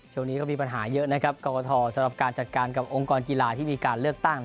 ช่วงนี้ก็มีปัญหาเยอะนะครับกรกฐสำหรับการจัดการกับองค์กรกีฬาที่มีการเลือกตั้ง